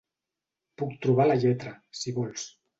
Puc trobar la lletra, si vols.